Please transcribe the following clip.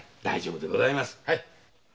大丈夫でございますよ。